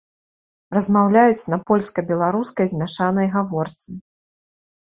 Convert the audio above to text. Размаўляюць на польска-беларускай змяшанай гаворцы.